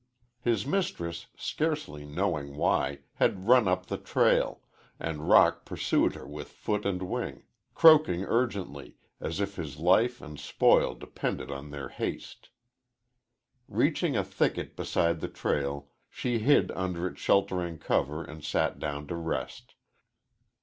His mistress, scarcely knowing why, had run up the trail, and Roc pursued her with foot and wing, croaking urgently, as if his life and spoil depended on their haste. Reaching a thicket beside the trail, she hid under its sheltering cover and sat down to rest.